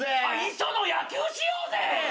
「磯野野球しようぜ」！